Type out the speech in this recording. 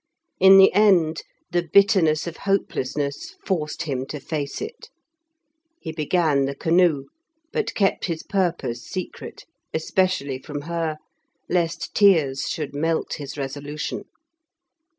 In the end the bitterness of hopelessness forced him to face it. He began the canoe, but kept his purpose secret, especially from her, lest tears should melt his resolution.